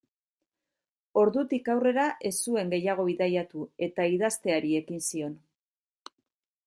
Ordutik aurrera ez zuen gehiago bidaiatu eta idazteari ekin zion.